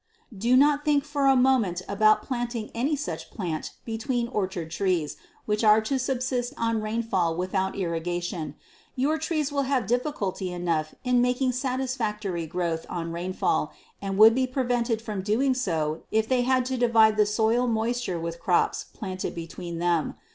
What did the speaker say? Do not think for a moment about planting any such plant between orchard trees which are to subsist on rainfall without irrigation. Your trees will have difficulty enough in making satisfactory growth on rainfall, and would be prevented from doing so if they had to divide the soil moisture with crops planted between them.